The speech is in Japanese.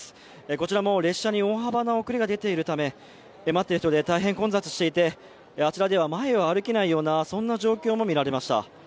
こちらも列車に大幅な遅れが出ているため、待っている人で大変混雑していてあちらでは前を歩けないようなそんな状況もみられました。